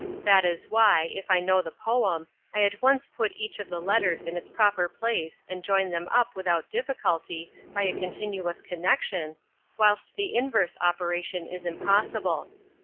That is why, if I know the poem, I at once put each of the letters in its proper place and join them up without difficulty by a continuous connection, whilst the inverse operation is impossible.